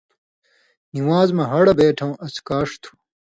نِوان٘ز مہ ہڑہۡ بیٹھؤں اڅھکاݜ تھُو۔